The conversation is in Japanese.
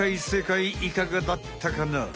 世界いかがだったかな？